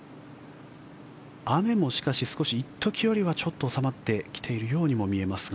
雨もしかし一時よりは少し収まってきているように見えますが。